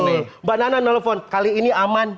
nih mbak nana nelfon kali ini aman